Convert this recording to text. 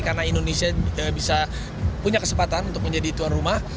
karena indonesia bisa punya kesempatan untuk menjadi tuan rumah